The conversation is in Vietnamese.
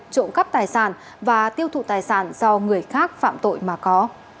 trộm cắp tài sản và tiêu thụ tài sản do người khác phạm tội mà có